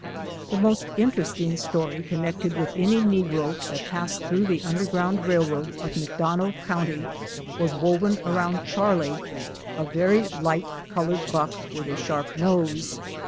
The most interesting story connected with any negro that passed through the Underground Eailroad of McDonough county was woven around Charlie, a very light colored buck, with a sharp nose.